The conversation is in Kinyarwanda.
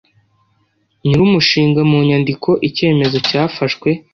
nyir umushinga mu nyandiko icyemezo cyafashwe